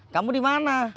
kamu di mana